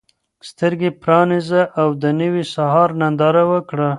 سترګې پرانیزه او د نوي سهار ننداره وکړه.